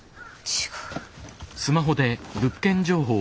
違う。